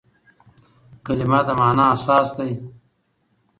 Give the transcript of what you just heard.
کلیمه د مانا اساس دئ.